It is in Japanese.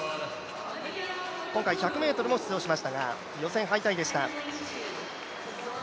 今回１００ｍも出場しましたが、予選敗退でした。